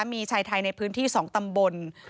มีชายไทยในพื้นที่๒ตำบล